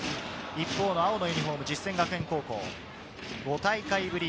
一方の青のユニホーム、実践学園高校、５大会ぶり